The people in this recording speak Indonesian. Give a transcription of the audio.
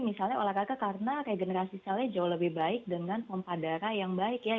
misalnya olahraga karena regenerasi selnya jauh lebih baik dengan pompa darah yang baik ya